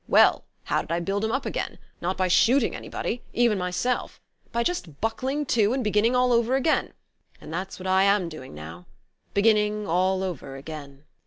Well, how did I build 'em up again? Not by shooting anybody even myself. By just buckling to, and beginning all over again. That's how... and that's what I am doing now. Beginning all over again."